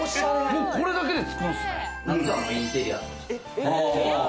これだけで、つくんすね。